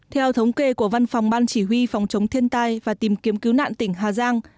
theo thống kê của văn phòng ban chỉ huy phòng chống thiên tai và tìm kiếm cứu nạn tỉnh hà giang